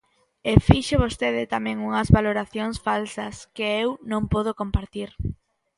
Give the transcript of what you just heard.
E fixo vostede tamén unhas valoracións falsas que eu non podo compartir.